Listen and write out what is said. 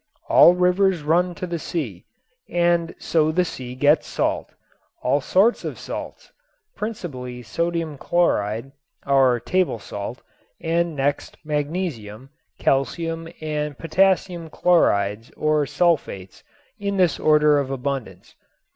"All rivers run to the sea" and so the sea gets salt, all sorts of salts, principally sodium chloride (our table salt) and next magnesium, calcium and potassium chlorides or sulfates in this order of abundance.